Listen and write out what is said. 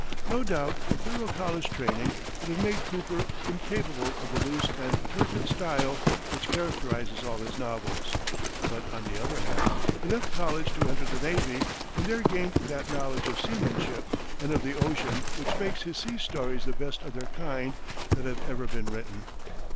No doubt a thorough college training would have made Cooper incapable of the loose and turgid style which characterizes all his novels; but, on the other hand, he left college to enter the navy, and there gained that knowledge of seamanship and of the ocean which make his sea stories the best of their kind that have ever been written.